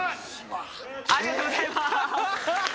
ありがとうございます。